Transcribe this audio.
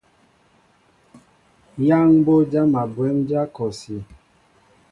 Yaŋ mbo jama bwémdja kɔsí.